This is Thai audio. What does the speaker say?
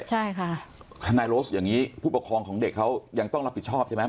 ใช่ค่ะทนายโรสอย่างนี้ผู้ปกครองของเด็กเขายังต้องรับผิดชอบใช่ไหม